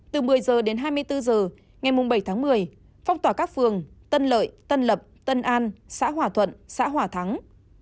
từ một mươi h đến hai mươi bốn h ngày bảy tháng một mươi phong tỏa các phường tân lợi tân lập tân an xã hòa thuận xã hòa thắng